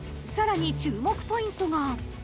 ［さらに注目ポイントが］